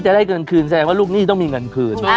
ใช่แต่สามัญสำนึกคุณต้องดีด้วย